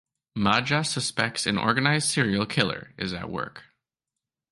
Maja suspects an organized serial killer is at work.